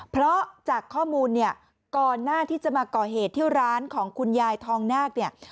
เพราะจากข้อมูลเนี่ยก่อนหน้าที่จะมาก่อเหตุที่ร้านของคุณยายทองนาคเนี่ย